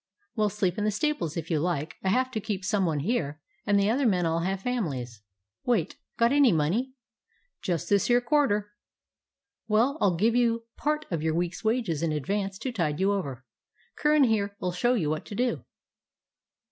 "Well, sleep in the stables if you like. I have to keep some one here, and the other men all have families. Wait. Got any money?" "Just this here quarter." "Well, I 'll give you part of your week's wages in advance to tide you over. Curran here 'll show you what to do."